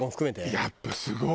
やっぱすごい！